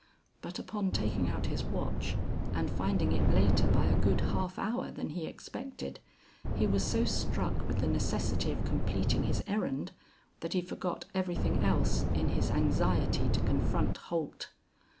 But upon taking out his watch and finding it later by a good half hour than he expected, he was so struck with the necessity of completing his errand, that he forgot everything else in his anxiety to confront Holt.